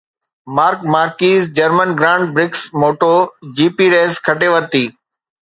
mark Marquez German grand prix moto G P race کٽي ورتي